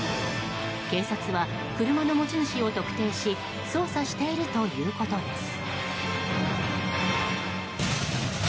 警察は車の持ち主を特定し捜査しているということです。